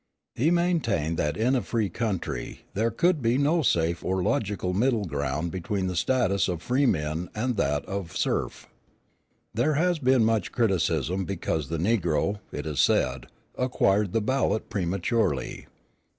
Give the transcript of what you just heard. He maintained that in a free country there could be no safe or logical middle ground between the status of freeman and that of serf. There has been much criticism because the negro, it is said, acquired the ballot prematurely.